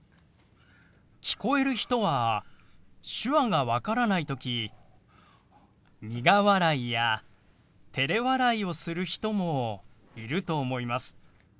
聞こえる人は手話が分からない時苦笑いやてれ笑いをする人もいると思います。